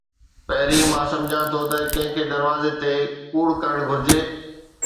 پهرين، مان سمجهان ٿو ته ڪنهن کي دروازي تي ڪوڙ ڪرڻ گهرجي